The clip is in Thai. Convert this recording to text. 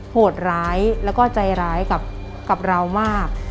โหดร้ายแล้วก็ใจร้ายกับเรามาก